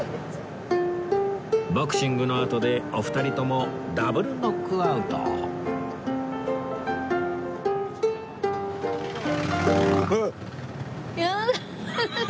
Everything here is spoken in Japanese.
ボクシングのあとでお二人ともダブルノックアウトやだハハハ。